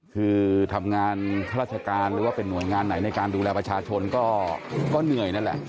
คือทำงานข้าราชการหรือว่าเป็นหน่วยงานไหนในการดูแลประชาชนก็เหนื่อยนั่นแหละ